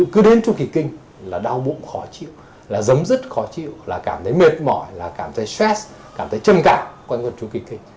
cứ đến trung kỳ kinh là đau bụng khó chịu là giấm dứt khó chịu là cảm thấy mệt mỏi là cảm thấy stress cảm thấy trầm cạp quan trọng trung kỳ kinh